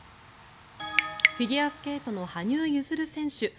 フィギュアスケートの羽生結弦選手。